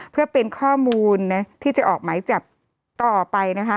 เพื่อเป็นข้อมูลที่จะออกไหมจากต่อไป